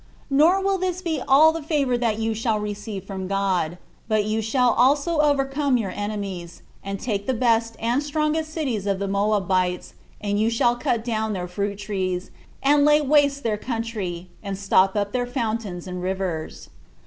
Nor will this be all the favor that you shall receive from God, but you shall also overcome your enemies, and take the best and strongest cities of the Moabites, and you shall cut down their fruit trees, 6 and lay waste their country, and stop up their fountains and rivers."